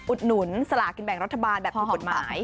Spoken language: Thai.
อุดหนุนสลากินแบ่งรัฐบาลแบบผิดกฎหมาย